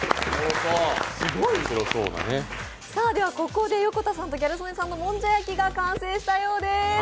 ここで横田さんとギャル曽根さんのもんじゃ焼きが完成したようでーす。